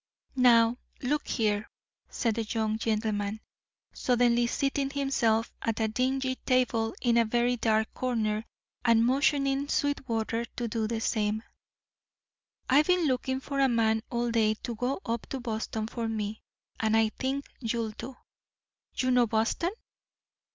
"Now, look here," said the young gentleman, suddenly seating himself at a dingy table in a very dark corner and motioning Sweetwater to do the same; "I've been looking for a man all day to go up to Boston for me, and I think you'll do. You know Boston?"